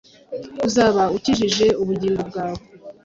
uzaba ukijije ubugingo bwawe.”